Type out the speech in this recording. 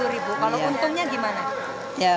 sepuluh ribu kalau untungnya gimana